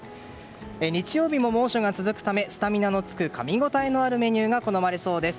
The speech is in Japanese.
日曜日も猛暑が続くためスタミナがつくかみごたえのあるメニューが好まれそうです。